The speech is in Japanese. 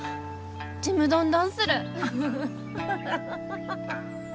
ちむどんどんする。